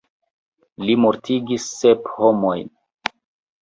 Li mortigis sep homojn.